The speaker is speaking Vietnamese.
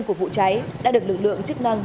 của vụ cháy đã được lực lượng chức năng